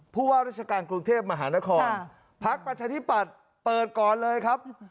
ผู้ว่าราชการกรุงเทพมหานครพักประชาธิปัตย์เปิดก่อนเลยครับ